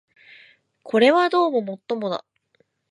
これはどうも尤もだ